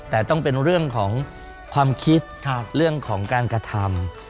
แต่ต้องเป็นเรื่องของความคิดเรื่องของการกระทำ